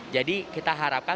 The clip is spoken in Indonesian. jadi kita harapkan